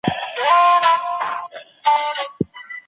تاسو د شیدو په څښلو بوخت یاست.